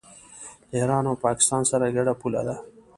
د ایران او پاکستان سره ګډه پوله ده.